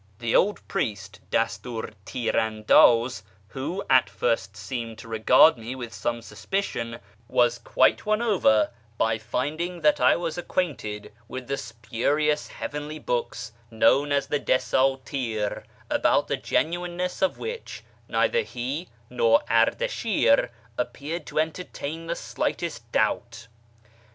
The old priest, Dastiir Tir andaz, who at first seemed to regard me with some suspicion, was quite won over by finding that I was acquainted with the spurious " heavenly books " known as the Desdtir, about the genuineness of which neither he nor Ardashir appeared to entertain the slightest doubt.